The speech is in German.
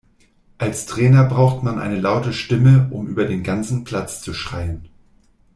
Als Trainer braucht man eine laute Stimme, um über den ganzen Platz zu schreien.